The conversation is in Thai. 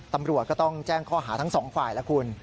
ตำรวจก็ต้องแจ้งข้อหาทั้งสองฝ่ายแล้วคุณ